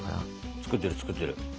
作ってる作ってる。